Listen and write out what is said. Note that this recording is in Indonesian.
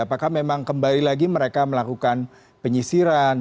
apakah memang kembali lagi mereka melakukan penyisiran